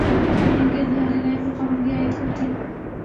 ان کے اظہارِ رائے پر پابندی عائدکرتی